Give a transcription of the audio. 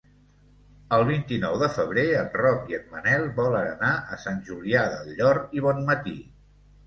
El vint-i-nou de febrer en Roc i en Manel volen anar a Sant Julià del Llor i Bonmatí.